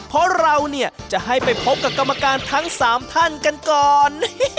เพราะเราเนี่ยจะให้ไปพบกับกรรมการทั้ง๓ท่านกันก่อน